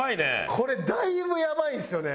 これだいぶやばいんですよね。